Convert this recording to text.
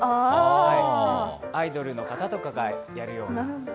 アイドルの方とかがやるような。